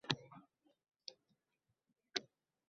faqat “mafkuraviy zindon”ning turli o‘lchamdagi xonalaridadir.